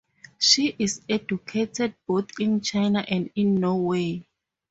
She is educated both in China and in Norway.